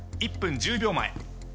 １分１０秒前。